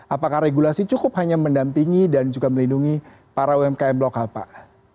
apakah regulasi cukup hanya mendampingi dan juga melindungi para umkm lokal pak